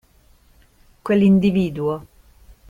Quell'individuo.